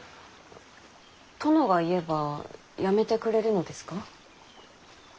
殿が言えばやめてくれるのですか？